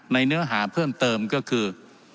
เนื้อหาเพิ่มเติมก็คือ